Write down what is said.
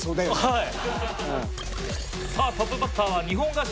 はい。